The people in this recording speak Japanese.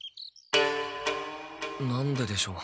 何ででしょう？